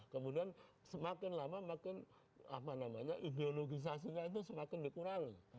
kemudian semakin lama makin ideologisasinya itu semakin dikurangi